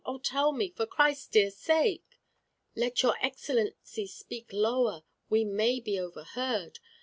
On, tell me, for Christ's dear sake!" "Let your Excellency speak lower. We may be overheard.